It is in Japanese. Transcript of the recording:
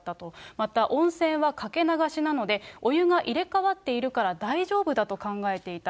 また、温泉はかけ流しなので、お湯が入れ替わっているから大丈夫だと考えていた。